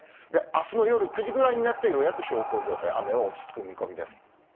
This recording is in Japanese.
あすの夜９時ぐらいになって、ようやく小康状態、雨は落ち着く見込みです。